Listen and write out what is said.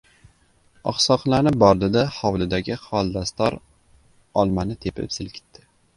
Oqsoqlanib bordi-da, hovlidagi xoldastor olmani tepib silkitdi.